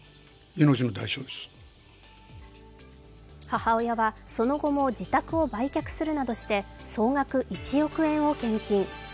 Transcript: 母親はその後も自宅を売却するなどして総額１億円を献金。